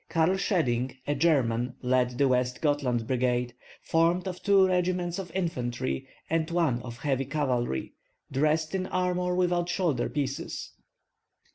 Karl Schedding, a German, led the West Gothland brigade, formed of two regiments of infantry and one of heavy cavalry, dressed in armor without shoulder pieces.